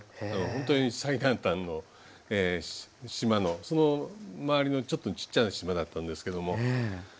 ほんとに最南端の島のその周りのちょっとちっちゃな島だったんですけどもはい。